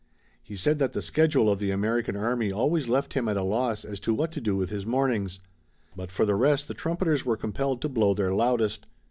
He said that the schedule of the American army always left him at a loss as to what to do with his mornings. But for the rest the trumpeters were compelled to blow their loudest.